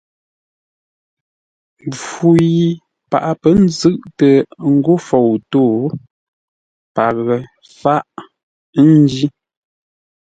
Mpfu yi paghʼə pə̌ nzʉ̂ʼtə ńgó fou tó, paghʼə fáʼ, ńjí.